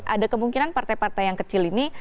ada kemungkinan partai partai yang kecil ini